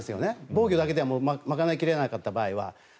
防御だけでは賄い切れなかった場合は。